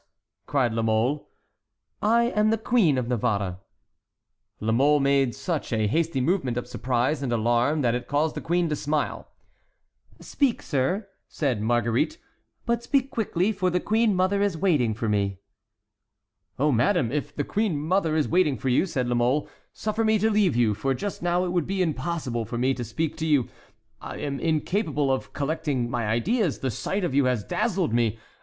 cried La Mole. "I am the Queen of Navarre." La Mole made such a hasty movement of surprise and alarm that it caused the queen to smile. "Speak, sir," said Marguerite, "but speak quickly, for the queen mother is waiting for me." "Oh, madame, if the queen mother is waiting for you," said La Mole, "suffer me to leave you, for just now it would be impossible for me to speak to you. I am incapable of collecting my ideas. The sight of you has dazzled me.